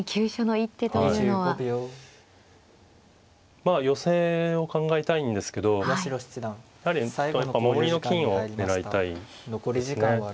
まあ寄せを考えたいんですけどやはり守りの金を狙いたいですね。